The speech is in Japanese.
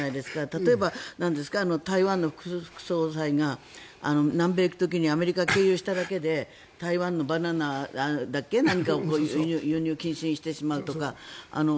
例えば、台湾の副総裁が南米に行く時にアメリカ経由しただけで台湾のバナナだっけ、何かを輸入禁止にしてしまうとか。